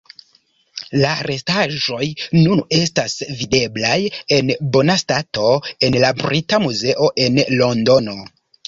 La restaĵoj nun estas videblaj en bona stato en la Brita Muzeo en Londono.